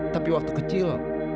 tapi ketika kecil